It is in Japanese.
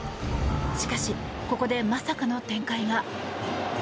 しかし、ここでまさかの展開が。